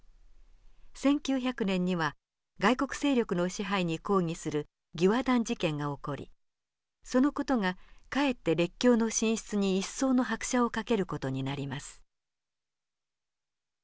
１９００年には外国勢力の支配に抗議する義和団事件が起こりその事がかえって列強の進出に一層の拍車をかける事になります。